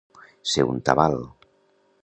Ser un tabal.